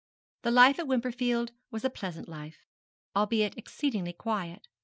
The life at Wimperfield was a pleasant life, albeit exceedingly quiet.